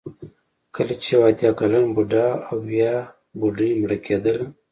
کله چې یو اتیا کلن بوډا او یا بوډۍ مړه کېدله.